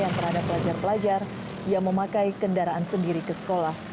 yang terhadap pelajar pelajar yang memakai kendaraan sendiri ke sekolah